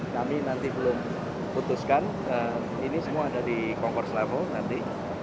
kami nanti belum putuskan ini semua ada di convers level nanti